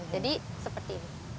jadi seperti ini